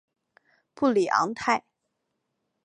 布里昂泰。